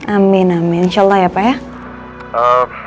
amin amin insyaallah ya pak ya